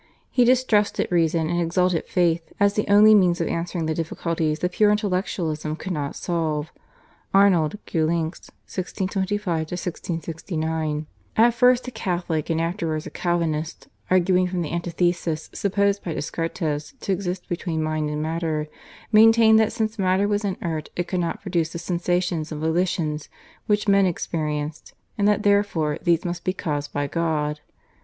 He distrusted reason and exalted faith, as the only means of answering the difficulties that pure intellectualism could not solve. /Arnold Geulincx/ (1625 1669) at first a Catholic and afterwards a Calvinist, arguing from the antithesis supposed by Descartes to exist between mind and matter, maintained that since matter was inert it could not produce the sensations and volitions which men experienced, and that therefore these must be caused by God.